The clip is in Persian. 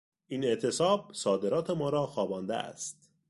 این اعتصاب صادرات ما را خوابانده است.